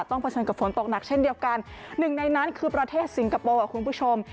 เผชิญกับฝนตกหนักเช่นเดียวกันหนึ่งในนั้นคือประเทศสิงคโปร์คุณผู้ชม